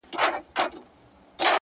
صبر د وخت له سیند سره سفر دی!